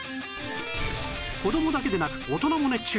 子供だけでなく大人も熱中！